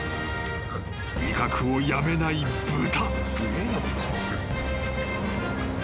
［威嚇をやめない豚］